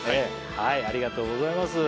ありがとうございます。